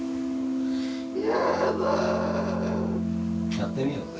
やってみようぜ。